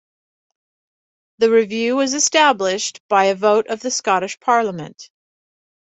The review was established by a vote of the Scottish Parliament.